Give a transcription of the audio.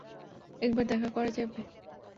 একবার দেখা করা যাবে?